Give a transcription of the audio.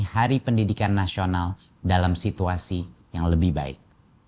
hari pendidikan nasional dalam situasi yang lebih baik